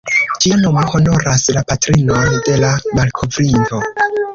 Ĝia nomo honoras la patrinon de la malkovrinto.